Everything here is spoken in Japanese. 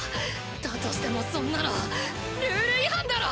だとしてもそんなのルール違反だろ！